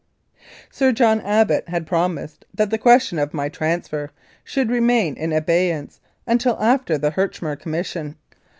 Sir John Abbott had promised that the question of my transfer should remain in abeyance until after the Herchmer Commission.